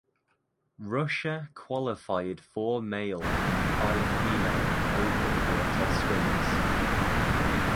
Russia qualified four male and five female open water swimmers.